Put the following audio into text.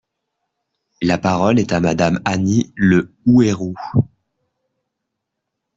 La parole est à Madame Annie Le Houerou.